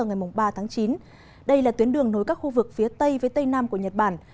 ngày ba tháng chín đây là tuyến đường nối các khu vực phía tây với tây nam của nhật bản